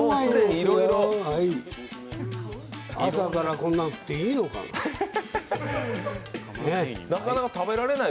朝からこんなん食っていいのかい。